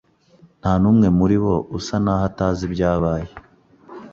Nta n'umwe muri bo usa naho atazi ibyabaye.